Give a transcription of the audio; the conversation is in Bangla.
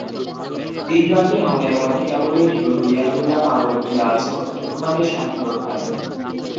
দিনরাত্রি মনের মধ্যে কেবলই ঢেউ তুলিয়া তুলিয়া পাগল হইয়া আছ, তোমাদের শান্তি কোথায়?